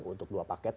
untuk dua paket